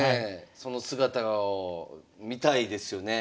その姿を見たいですよね。